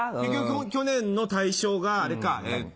去年の大賞があれかえっと。